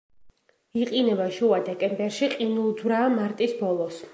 იყინება შუა დეკემბერში, ყინულძვრაა მარტის ბოლოს.